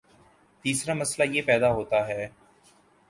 تیسرامسئلہ یہ پیدا ہوتا ہے